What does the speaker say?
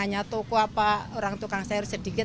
hanya toko apa orang tukang sayur sedikit